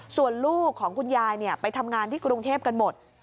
ส่วนลูกของคุณยายไปทำงานที่กรุงเทพกันหมด